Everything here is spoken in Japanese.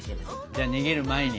じゃあ逃げる前に。